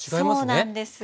そうなんです。